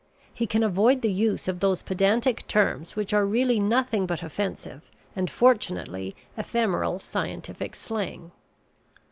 He can avoid the use of those pedantic terms which are really nothing but offensive and, fortunately, ephemeral scientific slang.